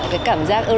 cái cảm giác